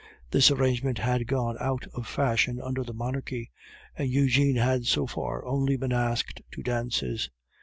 This arrangement had gone out of fashion under the Monarchy, and Eugene had so far only been asked to dances.